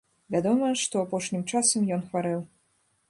Вядома, што апошнім часам ён хварэў.